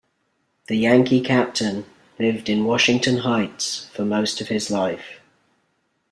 The Yankee captain lived in Washington Heights for most of his life.